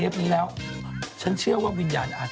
ไป